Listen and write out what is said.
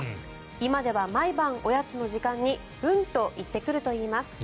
今では毎晩、おやつの時間にうんと言ってくるといいます。